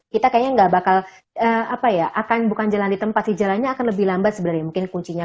kita kayaknya nggak bakal apa ya akan bukan jalan di tempat sih jalannya akan lebih lambat sebenarnya mungkin kuncinya